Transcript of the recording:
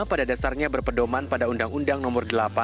pada dasarnya berpedoman pada undang undang nomor delapan